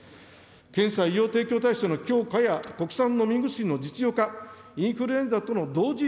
検査・医療体制の強化や国産飲み薬の実用化、インフルエンザとの同時